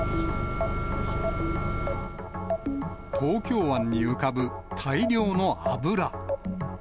東京湾に浮かぶ大量の油。